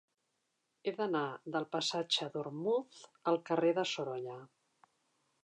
He d'anar del passatge d'Ormuz al carrer de Sorolla.